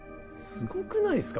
すごくないですか？